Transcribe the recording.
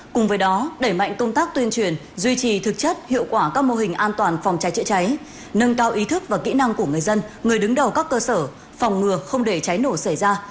cùng với đó đẩy mạnh công tác tuyên truyền duy trì thực chất hiệu quả các mô hình an toàn phòng cháy chữa cháy nâng cao ý thức và kỹ năng của người dân người đứng đầu các cơ sở phòng ngừa không để cháy nổ xảy ra